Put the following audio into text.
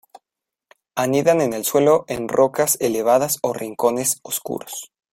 Anidan en el suelo en rocas elevadas o rincones oscuros.